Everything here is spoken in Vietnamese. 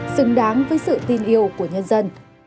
xứng đáng với sự tin yêu của nhân dân